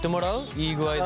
いい具合で。